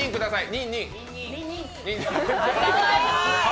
ニンニン。